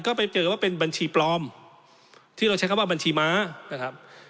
ก็ไปเจอว่าเป็นบัญชีปลอมที่เราใช้คำว่าบัญชีม้านะครับ